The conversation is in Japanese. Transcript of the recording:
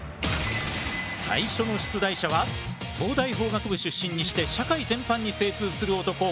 最初の出題者は東大法学部出身にして社会全般に精通する男